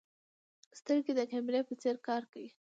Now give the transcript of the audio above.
سترګې د کیمرې په څېر کار کوي.